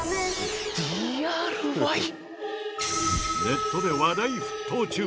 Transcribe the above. ネットで話題沸騰中！